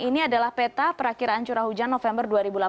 ini adalah peta perakhiran curah hujan november dua ribu delapan belas